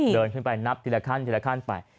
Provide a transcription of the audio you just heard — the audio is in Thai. เดินขึ้นไปนับทีละขั้นทีละขั้นไป